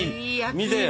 見てよ！